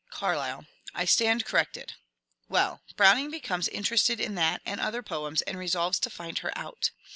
Carlyle. I stand corrected. Well : Browning becomes in terested in that and other poems, and resolves to find her out.